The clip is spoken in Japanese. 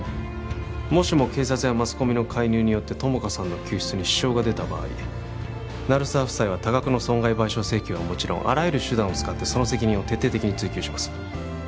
もしも警察やマスコミの介入によって友果さんの救出に支障が出た場合鳴沢夫妻は多額の損害賠償請求はもちろんあらゆる手段を使ってその責任を徹底的に追及します